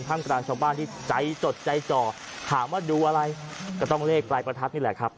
มกลางชาวบ้านที่ใจจดใจจ่อถามว่าดูอะไรก็ต้องเลขปลายประทัดนี่แหละครับ